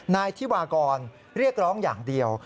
นายธิวากรเรียกร้องอย่างเดียว